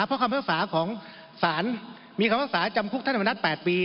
เพราะคำพยากษาของศาลมีคำพยากษาจำคุกท่านอำนาจ๘ปี